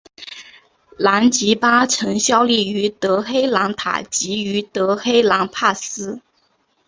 兰吉巴曾效力于德黑兰塔吉于德黑兰帕斯。